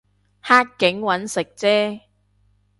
黑警搵食啫